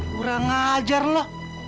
kurang ajar lu